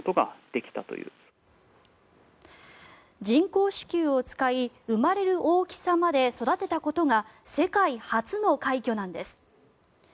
人工子宮を使い生まれる大きさまで育てたことが世界初の快挙なんです。